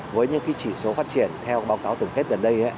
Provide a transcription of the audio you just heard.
với những chỉ số phát triển theo báo cáo tổng kết gần đây